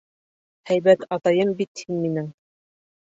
Һәйбәт атайым бит һин минең.